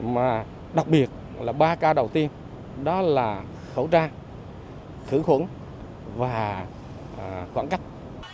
mà đặc biệt là ba ca đầu tiên đó là khẩu trang khử khuẩn và khoảng cách